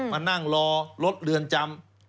มานั่งรอรถเรือนจำ